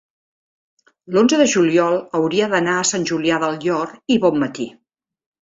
l'onze de juliol hauria d'anar a Sant Julià del Llor i Bonmatí.